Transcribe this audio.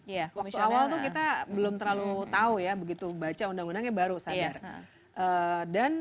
waktu awal itu kita belum terlalu tahu ya begitu baca undang undangnya baru sadar